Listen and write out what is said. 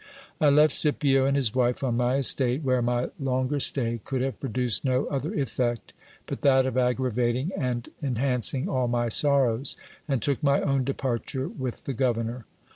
I left Scipio and his wife on my estate, where my longer stay could have produced no other effect but that of aggravating and enhancing all my sorrows, and took my own departure with the governor.